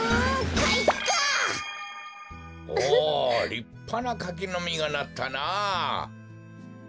りっぱなかきのみがなったな。